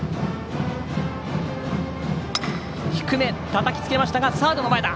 低め、たたきつけましたがサードの前だ。